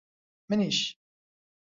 منیش.